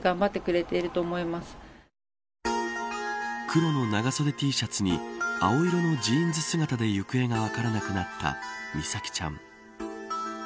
黒の長袖Ｔシャツに青色のジーンズ姿で行方が分からなくなった美咲ちゃん。